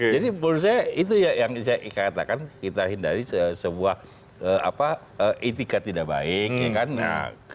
jadi menurut saya itu yang saya katakan kita hindari sebuah etika tidak baik